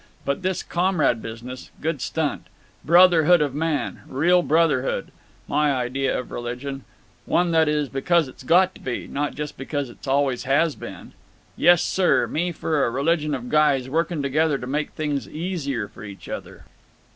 But this comrade business—good stunt. Brotherhood of man—real brotherhood. My idea of religion. One that is because it's got to be, not just because it always has been. Yessir, me for a religion of guys working together to make things easier for each other."